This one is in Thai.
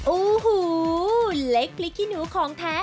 โอ้โหเล็กพริกขี้หนูของแท้